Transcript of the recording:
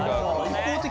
一方的。